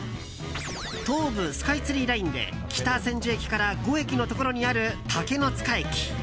東武スカイツリーラインで北千住駅から５駅のところにある竹ノ塚駅。